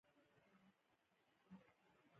دوی به تر هغه وخته پورې ملي سرود ږغوي.